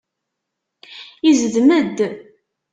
Izdem-d.